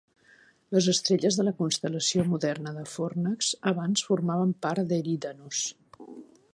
Les estrelles de la constel·lació moderna de Fornax abans formaven part d'Eridanus.